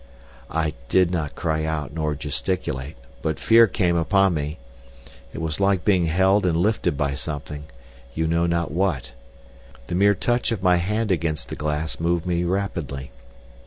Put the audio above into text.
I did not cry out nor gesticulate, but fear came upon me. It was like being held and lifted by something—you know not what. The mere touch of my hand against the glass moved me rapidly.